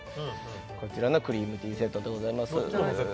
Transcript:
こちらのクリームティーセットでございます